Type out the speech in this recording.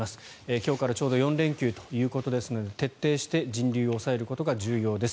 今日からちょうど４連休ということですので徹底して人流を抑えることが重要です。